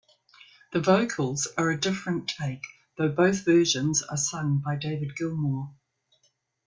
The vocals are a different take, though both versions are sung by David Gilmour.